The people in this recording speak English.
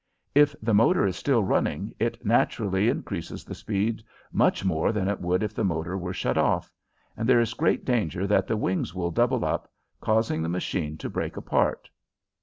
If the motor is still running, it naturally increases the speed much more than it would if the motor were shut off, and there is great danger that the wings will double up, causing the machine to break apart.